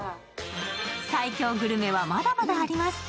最強グルメはまだまだあります。